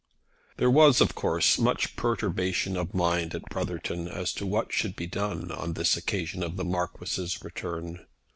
There was, of course, much perturbation of mind at Brotherton as to what should be done on this occasion of the Marquis's return.